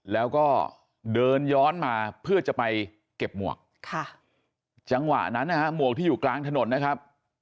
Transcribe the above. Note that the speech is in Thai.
แล้วก็เดินย้อนมาเพื่อจะไปเก็บหมวกจังหวะนั้นนะฮะหมวกที่อยู่กลางถนนนะครับ